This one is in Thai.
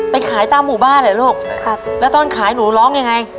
ขายตามหมู่บ้านเหรอลูกครับแล้วตอนขายหนูร้องยังไง